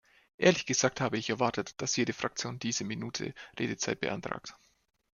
Ehrlich gesagt habe ich erwartet, dass jede Fraktion diese Minute Redezeit beantragt.